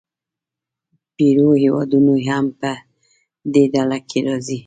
پیرو هېوادونه هم په دې ډله کې راځي.